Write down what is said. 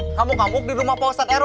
ngamuk ngamuk di rumah polset rw